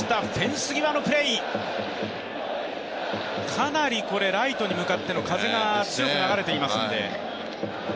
かなりライトに向かっての風が強く流れていますので。